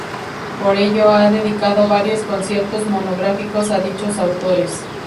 Por ello ha dedicado varios conciertos monográficos a dichos autores.